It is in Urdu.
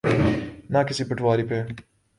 نہ کسی پٹواری پہ۔